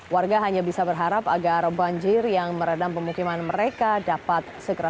warga hanya bisa berharap agar banjir yang meredam pemukiman mereka dapat segera